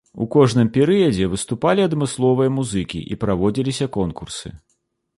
У кожным перыядзе выступалі адмысловыя музыкі і праводзіліся конкурсы.